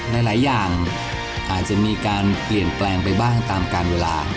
หลายอย่างอาจจะมีการเปลี่ยนแปลงไปบ้างตามการเวลา